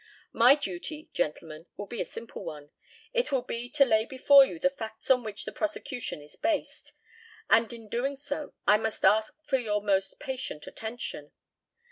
My duty, gentlemen, will be a simple one. It will be to lay before you the facts on which the prosecution is based, and in doing so I must ask for your most patient attention.